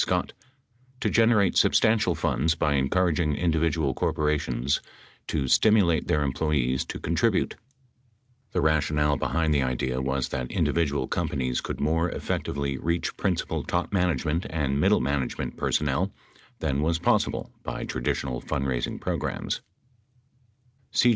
Scott, "to generate substantial funds by encouraging individual corporations to stimulate their employees to contribute . The rationale behind the idea was that individual companies could more effectively reach principal top management and middle management personnel than was possible by traditional fundraising programs."